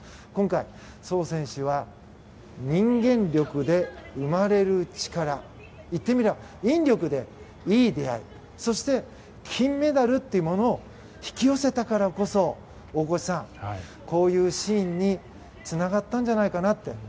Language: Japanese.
今回、ソ選手は人間力で生まれる力言ってみれば引力でいい出会いそして、金メダルというものを引き寄せたからこそ大越さん、こういうシーンにつながったんじゃないかなって